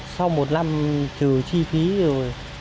sau một năm trừ chi phí rồi